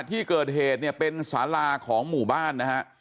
ที่เกิดเหตุเนี่ยเป็นสาราของหมู่บ้านนะฮะ